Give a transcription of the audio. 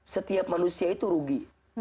setiap manusia itu rugi